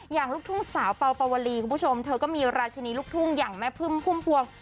ลูกทุ่งสาวเป่าปาวลีคุณผู้ชมเธอก็มีราชินีลูกทุ่งอย่างแม่พึ่งพุ่มพวง